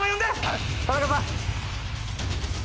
田中さん。